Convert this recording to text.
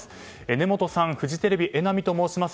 根本さんフジテレビ榎並と申します。